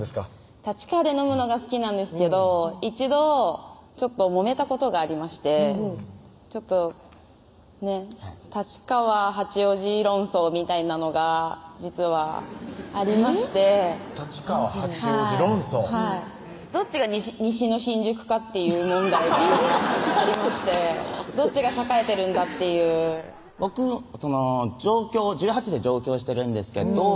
立川で飲むのが好きなんですけど一度ちょっともめたことがありましてちょっとねっ立川・八王子論争みたいなのが実はありまして立川・八王子論争はいどっちが西の新宿かという問題がありましてどっちが栄えてるんだっていう僕１８で上京してるんですけど